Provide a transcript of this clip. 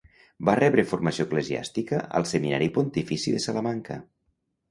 Va rebre formació eclesiàstica al Seminari Pontifici de Salamanca.